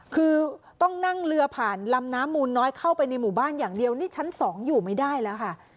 คือต้องนั่งเรือผ่านลำน้ำมูลน้อยเข้าไปในหมู่บ้านอย่างเดียวนี่ชั้น๒อยู่ไม่ได้แล้วค่ะ